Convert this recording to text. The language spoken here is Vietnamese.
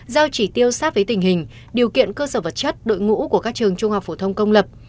giao chỉ tiêu sát với tình hình điều kiện cơ sở vật chất đội ngũ của các trường trung học phổ thông công lập